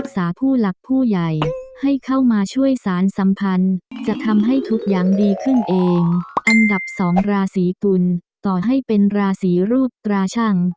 สัมพันธ์จะทำให้ทุกอย่างดีขึ้นเองอันดับสองราศีตุลต่อให้เป็นราศีรูปตราชั่ง